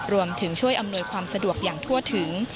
รวมถึงช่วยอำนวยความสะดวกอย่างทั่วถึง